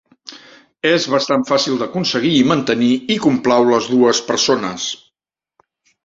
És bastant fàcil d'aconseguir i mantenir, i complau les dues persones.